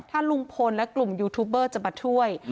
ถ้าลุงพลและกลุ่มยูทูบเบอร์จะมาช่วย